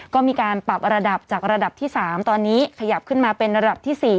ก็มีการปรับระดับจากระดับที่๓ตอนนี้ขยับขึ้นมาเป็นระดับที่๔